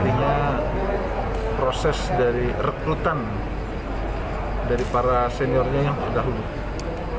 artinya proses dari rekrutan dari para seniornya yang terdahulu